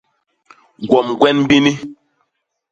Gwom gwen bini?